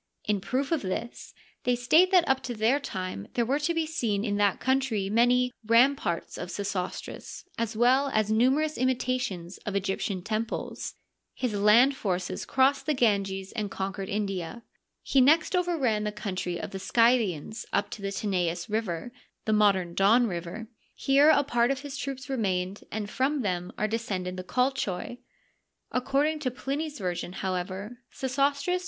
In proof of this, they state that up to their time there were to be seen in that country many " ramparts of Sesostris," as well as numerous imitations of Egyptian temples. His land forces crossed the Ganges and conquered India. He next over ran the country of the Scythians up to the Tanais River (the modem Don River f). Here a part of his troops remained, and from them are descended the Colchoi. According to Pliny's version, however, Sesostris.